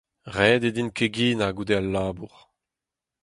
Ret eo din keginañ goude al labour.